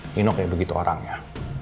nino kayak begitu orangnya